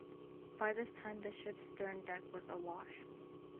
By this time, the ship's stern deck was awash.